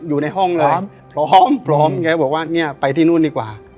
อยู่ในห้องเลยพร้อมพร้อมแกก็บอกว่าเนี่ยไปที่นู่นดีกว่า